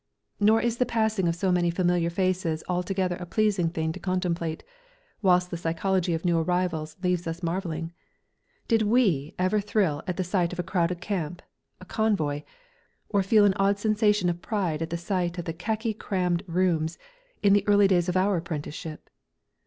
Nor is the passing of so many familiar faces altogether a pleasing thing to contemplate, whilst the psychology of new arrivals leaves us marvelling. Did we ever thrill at the sight of a crowded camp, a convoy, or feel an odd sensation of pride at the sight of the khaki crammed rooms in the early days of our apprenticeship?